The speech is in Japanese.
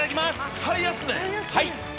はい。